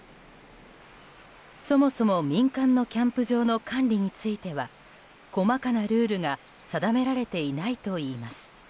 そもそも、民間のキャンプ場の管理については細かなルールが定められていないといいます。